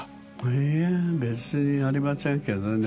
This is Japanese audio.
いいえ別にありませんけどね。